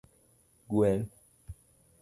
Gweng'